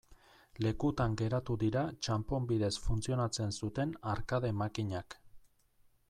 Lekutan geratu dira txanpon bidez funtzionatzen zuten arkade makinak.